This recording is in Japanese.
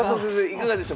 いかがでした？